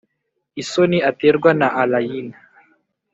n'isoni aterwa na allayne.